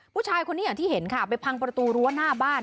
พุชายคนนี้เห็นไปพังประตูรั้วาหน้าบ้าน